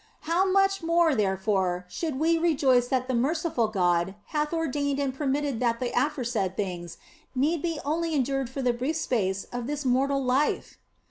How much more, therefore, should we rejoice for that the merciful God hath ordained and permitted that the 92 THE BLESSED ANGELA aforesaid things need be endured only for the brief space of this our mortal life